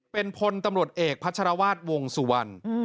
เป็นพลตำรวจเอกพัชรวาสวงสุวรรณ